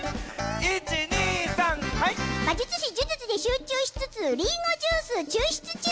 魔術師呪術に集中しつつりんごジュース抽出中！